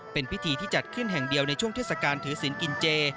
เป็นพิธีที่จัดขึ้นแห่งเดียวในช่วงเทศกาลถือศิลปกินเจ